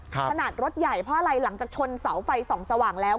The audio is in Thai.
ขนาดรถใหญ่เพราะอะไรหลังจากชนเสาไฟส่องสว่างแล้ว